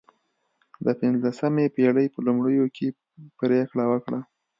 د پنځلسمې پېړۍ په لومړیو کې پرېکړه وکړه.